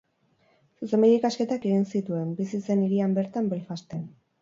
Zuzenbide-ikasketak egin zituen, bizi zen hirian bertan, Belfasten.